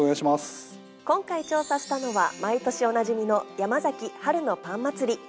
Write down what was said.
今回調査したのは毎年おなじみのヤマザキ春のパンまつり